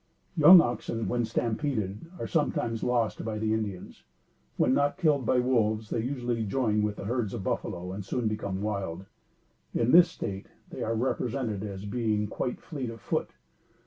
Young oxen, when stampeded, are sometimes lost by the Indians. When not killed by wolves they usually join with the herds of buffalo and soon become wild. In this state, they are represented as being quite fleet of foot.